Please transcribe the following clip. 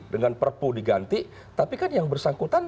dengan perpu diganti tapi kan yang bersangkutan